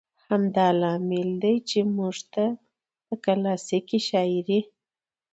همدا لامل دى، چې موږ ته د کلاسيکې شاعرۍ